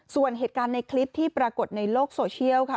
ส่วนเหตุการณ์ในคลิปที่ปรากฏในโลกโซเชียลค่ะ